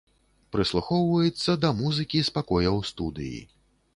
Прыслухоўваецца да музыкі з пакояў студыі.